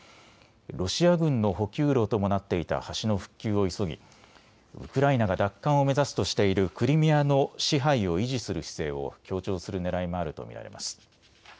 ロシア軍の補給路ともなっていた橋の復旧を急ぎウクライナが奪還を目指すとしているクリミアの支配を維持する姿勢を強調するねらいもあると見られます。